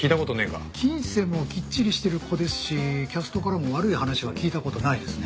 金銭もきっちりしてる子ですしキャストからも悪い話は聞いた事ないですね。